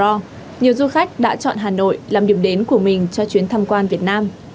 trong đó nhiều du khách đã chọn hà nội làm điểm đến của mình cho chuyến thăm quan việt nam